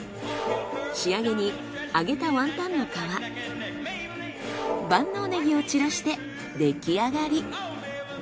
仕上げに揚げたワンタンの皮万能ネギを散らして出来上がり。